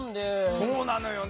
そうなのよね。